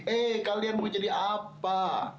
eh kalian mau jadi apa